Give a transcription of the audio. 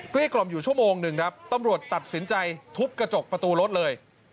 กล่อมอยู่ชั่วโมงหนึ่งครับตำรวจตัดสินใจทุบกระจกประตูรถเลย